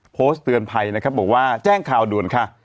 โพสต์เตือนภัยนะครับบอกว่าแจ้งข่าวด่วนค่ะ